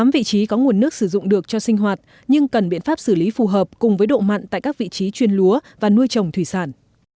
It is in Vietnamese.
tám vị trí có nguồn nước sử dụng được cho sinh hoạt nhưng cần biện pháp xử lý phù hợp cùng với độ mặn tại các vị trí chuyên lúa và nuôi trồng thủy sản